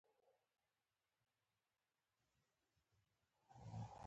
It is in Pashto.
عدالت د ټولنې د پرمختګ اساس دی.